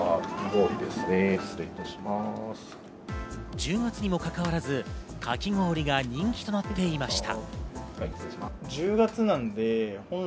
１０月にもかかわらず、かき氷が人気となっていました。